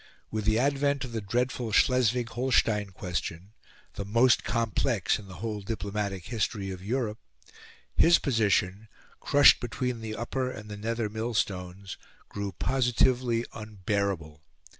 With the advent of the dreadful Schleswig Holstein question the most complex in the whole diplomatic history of Europe his position, crushed between the upper and the nether mill stones, grew positively unbearable.